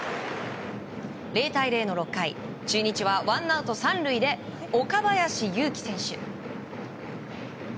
０対０の６回中日はワンアウト３塁で岡林勇希選手。